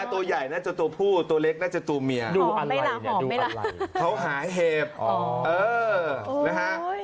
ตัวใหญ่น่าจะตัวผู้ตัวเล็กน่าจะตัวเมียดูอะไรเนี่ยดูอะไรเขาหาเห็บเออนะฮะ